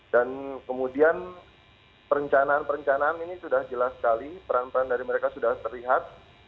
dan kemudian perencanaan perencanaan ini sudah jelas sekali peran peran dari mereka sudah terlihat